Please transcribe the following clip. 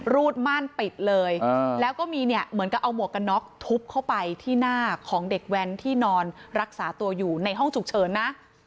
รูดม่านปิดเลยแล้วก็มีเนี่ยเหมือนกับเอาหมวกกันน็อกทุบเข้าไปที่หน้าของเด็กแว้นที่นอนรักษาตัวอยู่ในห้องฉุกเฉินนะ